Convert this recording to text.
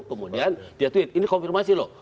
kemudian dia tweet ini konfirmasi loh